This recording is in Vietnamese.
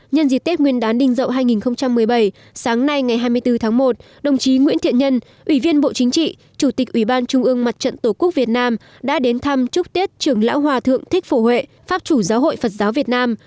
nhân dịp tết nguyên đán đình dậu hai nghìn một mươi bảy sáng nay ngày hai mươi bốn tháng một đồng chí nguyễn thiện nhân ủy viên bộ chính trị chủ tịch ủy ban trung ương mặt trận tổ quốc việt nam đã đến thăm chúc tết trưởng lão hòa thượng thích phổ huệ pháp chủ giáo hội phật giáo việt nam